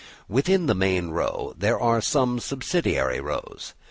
Within the main row there are some subsidiary rows.